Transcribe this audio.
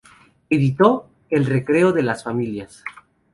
Editó "El Recreo de las Familias".